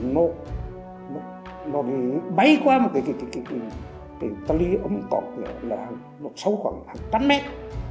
một đối tượng nó bay qua một cái tàu ly ấm cọp này là sâu khoảng một trăm linh mét